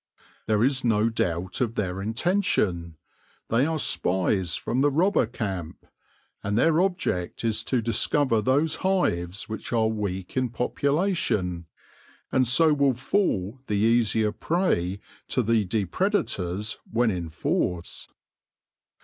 There is no doubt of their intention. They are spies from the robber camp, and their object is to discover those hives which are weak in population, and so will fall the easier prey to the depredators when in force.